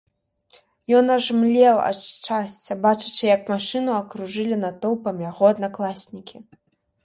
Ён аж млеў ад шчасця, бачачы, як машыну акружылі натоўпам яго аднакласнікі.